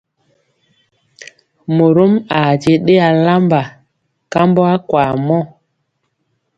Morom aa je ɗe alamba kambɔ akwaa mɔ.